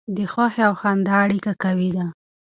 د خوښۍ او خندا اړیکه قوي ده.